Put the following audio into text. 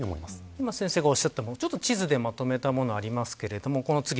今、先生がおっしゃったものを地図でまとめたものがあります。